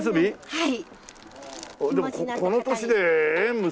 はい。